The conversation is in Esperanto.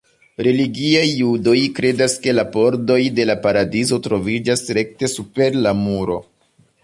Religiaj judoj kredas ke la pordoj de la paradizo troviĝas rekte super la muro.